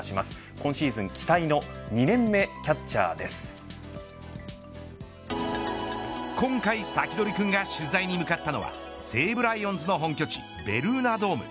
今シーズン期待の今回サキドリくんが取材に向かったのは西武ライオンズの本拠地ベルーナドーム。